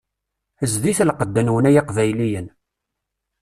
Zdit lqedd-nwen ay Iqbayliyen.